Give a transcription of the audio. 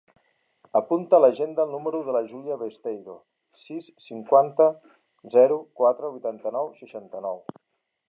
Apunta a l'agenda el número de la Giulia Besteiro: sis, cinquanta, zero, quatre, vuitanta-nou, seixanta-nou.